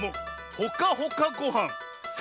ほかほかごはん？